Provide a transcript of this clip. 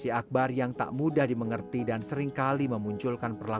pilihan kita yg lebihjustu aja temen durilo spending take on gator com